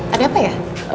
ada apa ya